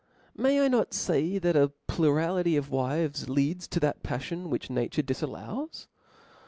May I pot, fay that a plurality of wives leads to that paflion which nature difallows?